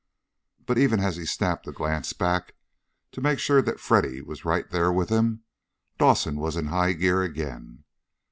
But even as he snapped a glance back to make e that Freddy was right there with him, Dawson was in high gear again.